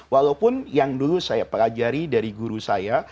walaupun yang dulu saya pelajari dari guru saya